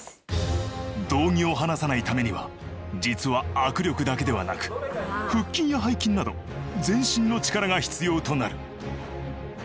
道着を離さないためには実は握力だけではなく腹筋や背筋など全身の力が必要となる。